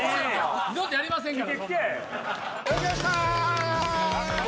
二度とやりませんから。